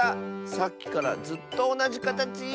さっきからずっとおなじかたち！